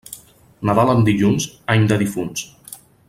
Nadal en dilluns, any de difunts.